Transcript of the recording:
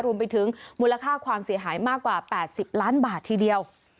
มูลค่าความเสียหายมากกว่า๘๐ล้านบาททีเดียว